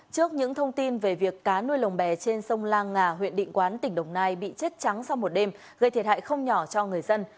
trước những thông tin về việc cá nuôi lồng bè trên sông la ngà huyện định quán tỉnh đồng nai bị chết trắng sau một đêm gây thiệt hại không nhỏ cho người dân